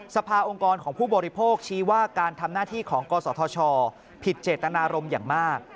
สภาองค์กรของผู้บริโภคชี้ว่าการทำหน้าที่ของกศธชผิดเจตนารมณ์อย่างมาก